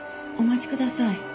お待ちください。